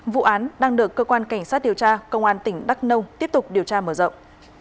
vụ án đang được cơ quan cảnh sát điều tra công an tỉnh đắk nông tiếp tục điều tra mở rộng